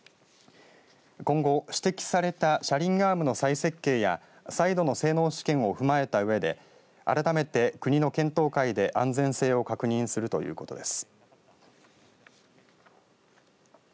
今後、指摘された車輪アームの再設計や再度の性能試験を踏まえたうえで改めて、国の検討会で安全性を確認するということです。